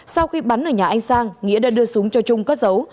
sau khi bắn ở nhà anh sang nghĩa đã đưa súng cho trung cất giấu